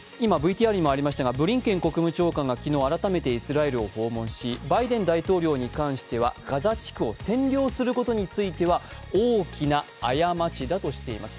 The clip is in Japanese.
ブリンケン国務長官が昨日、改めてイスラエルを訪問し、バイデン大統領に関してはガザ地区を占領することについては大きな過ちだとしています。